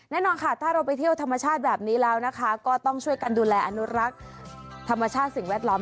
แน่นอนค่ะถ้าเราไปเที่ยวธรรมชาติแบบนี้แล้วนะคะก็ต้องช่วยกันดูแลอนุรักษ์ธรรมชาติสิ่งแวดล้อม